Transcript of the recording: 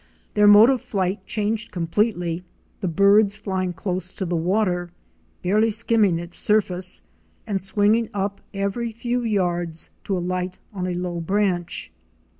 Their mode of flight changed completely, the birds flying close to the water, barely skimming its surface and swinging up every few yards to alight on a low branch.